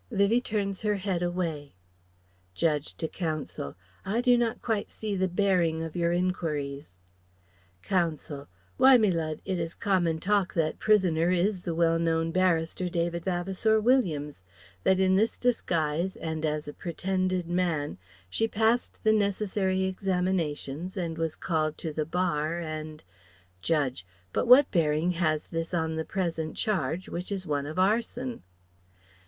(Vivie turns her head away.) Judge, to Counsel: "I do not quite see the bearing of your enquiries." Counsel: "Why, Me Lud, it is common talk that prisoner is the well known barrister, David Vavasour Williams; that in this disguise and as a pretended man she passed the necessary examinations and was called to the Bar, and " Judge: "But what bearing has this on the present charge, which is one of Arson?"